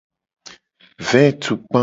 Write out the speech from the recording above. Vetukpa.